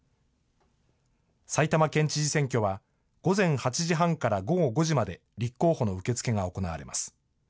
埼玉県知事選挙は、午前８時半から午後５時まで、立候補の受け付けが行われます。